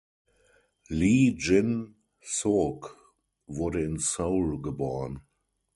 Lee Jin-sook wurde in Seoul geboren.